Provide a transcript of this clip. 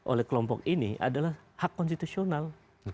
oleh kelompok ini adalah hak konstitusional